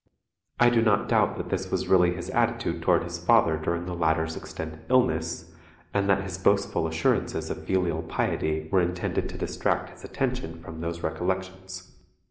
I do not doubt that this was really his attitude toward his father during the latter's extended illness, and that his boastful assurances of filial piety were intended to distract his attention from these recollections.